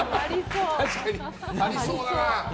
確かにありそうだな。